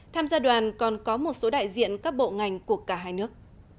tham gia đoàn còn có một số đại diện các bộ ngành của cả hai nước